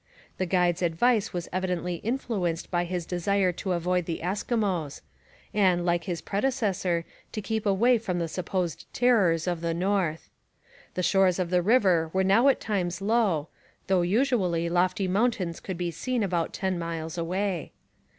The guide's advice was evidently influenced by his desire to avoid the Eskimos, and, like his predecessor, to keep away from the supposed terrors of the North. The shores of the river were now at times low, though usually lofty mountains could be seen about ten miles away.